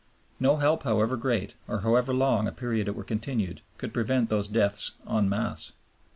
No help, however great, or over however long a period it were continued, could prevent those deaths en masse."